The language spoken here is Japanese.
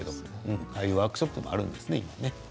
ああいうワークショップもあるんですね。